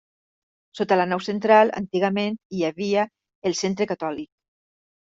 Sota la nau central, antigament hi havia el centre catòlic.